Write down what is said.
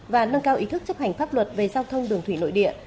và nâng cao ý thức chấp hành pháp luật về giao thông đường thủy nội địa